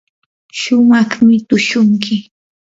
shumaqmi tushunki.